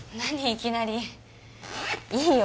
いきなりいいよ